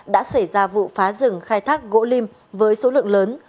đã xảy ra vụ phá rừng khai thác gỗ lim với số lượng lớn